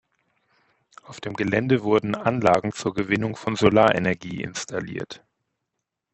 Auf dem Gelände wurden Anlagen zur Gewinnung von Solarenergie installiert.